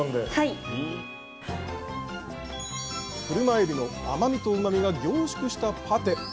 クルマエビの甘みとうまみが凝縮したパテ。